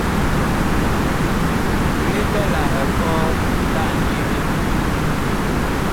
Mini ɓɛ la ekɔɔ la ŋyeɓe.